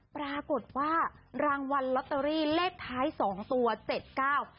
ปรากฏว่ารางวัลลอตเตอรี่เลขท้าย๒ตัว๗ก้าว